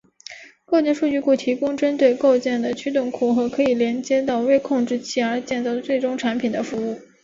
构件数据库提供针对构件的驱动库和可以连接到微控制器而建造最终产品的服务。